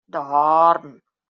Dorm.